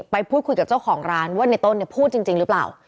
ไปพูดคุยกับเจ้าของร้านว่าในต้นเนี่ยพูดจริงหรือเปล่า